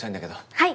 はい！